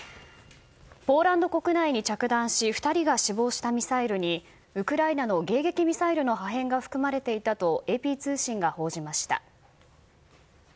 ポーランド国内に着弾し２人が死亡したミサイルにウクライナの迎撃ミサイルの破片が含まれていたとＡＰ通信が報じました。